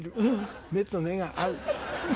目と目が合う。